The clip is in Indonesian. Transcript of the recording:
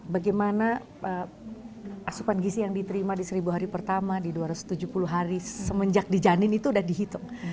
bagaimana asupan gisi yang diterima di seribu hari pertama di dua ratus tujuh puluh hari semenjak di janin itu sudah dihitung